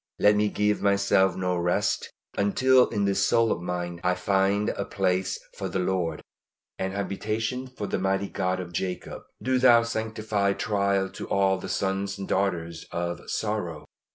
Let me give myself no rest until in this soul of mine I find a place for the Lord, an habitation for the mighty God of Jacob. Do Thou sanctify trial to all the sons and daughters of sorrow.